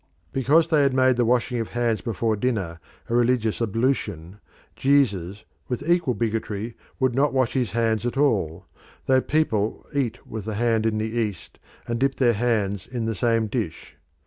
Because they had made the washing of hands before dinner a religious ablution, Jesus, with equal bigotry, would not wash his hands at all, though people eat with the hand in the East, and dip their hands in the same dish.